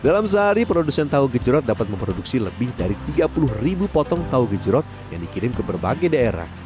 dalam sehari produsen tahu gejrot dapat memproduksi lebih dari tiga puluh ribu potong tahu gejrot yang dikirim ke berbagai daerah